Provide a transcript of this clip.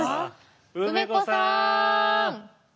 梅子さん。